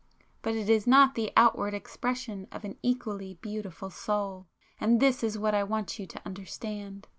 —but it is not the outward expression of an equally beautiful soul. And this is what I want you to understand.